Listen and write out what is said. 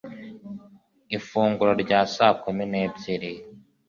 ifunguro rya saa kumi n'ebyiri